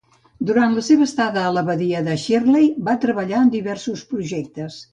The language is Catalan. Durant la seva estada a la badia de Shirley, va treballar en diversos projectes.